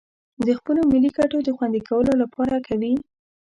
د خپلو ملي گټو د خوندي کولو لپاره کوي